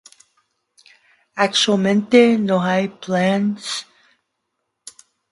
Actualmente, no hay planes para que "Monster Hunter: World" sea lanzado para Nintendo Switch.